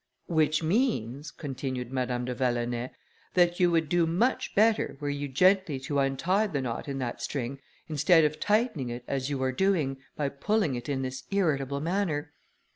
"Which means," continued Madame de Vallonay, "that you would do much better, were you gently to untie the knot in that string, instead of tightening it as you are doing, by pulling it in this irritable manner.